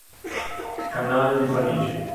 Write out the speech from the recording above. Canale di Parigi.